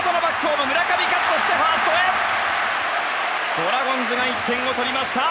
ドラゴンズが１点を取りました！